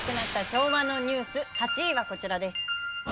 昭和のニュース８位はこちらです。